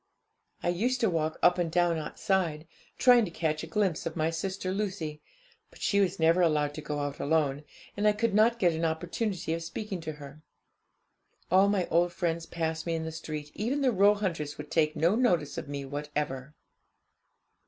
I used to walk up and down outside, trying to catch a glimpse of my sister Lucy; but she was never allowed to go out alone, and I could not get an opportunity of speaking to her. All my old friends passed me in the street even the Roehunters would take no notice of me whatever.